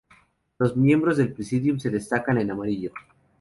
Los miembros del Presidium se destacan en amarillo.